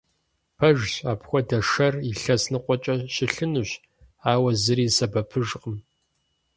Пэжщ, апхуэдэ шэр илъэс ныкъуэкӀэ щылъынущ, ауэ зыри и сэбэпыжкъым.